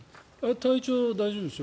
体調、大丈夫ですよ。